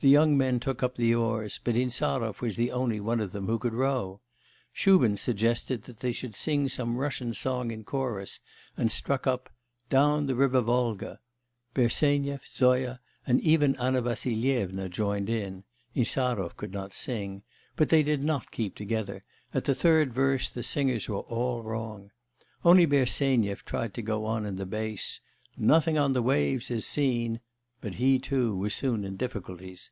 The young men took up the oars, but Insarov was the oniy one of them who could row. Shubin suggested that they should sing some Russian song in chorus, and struck up: 'Down the river Volga'... Bersenyev, Zoya, and even Anna Vassilyevna, joined in Insarov could not sing but they did not keep together; at the third verse the singers were all wrong. Only Bersenyev tried to go on in the bass, 'Nothing on the waves is seen,' but he, too, was soon in difficulties.